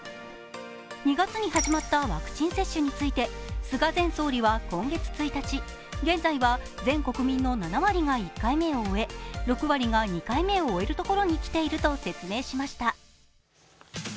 ２月に始まったワクチン接種について菅前総理は今月１日、現在は全国民の７割が１回目を終え６割が２回目を終えるところに来ていると説明しました。